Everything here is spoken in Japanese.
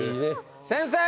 先生！